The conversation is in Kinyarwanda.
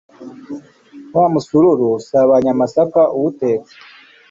wa musururu usabanyaamasaka awutetse